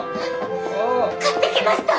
買ってきました！